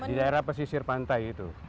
di daerah pesisir pantai itu